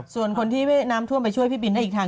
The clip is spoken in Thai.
ส่วนคนที่น้ำท่วมไปช่วยพี่บินได้อีกทาง